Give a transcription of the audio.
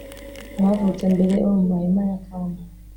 abavutse mbere bo mu mahema ya kamu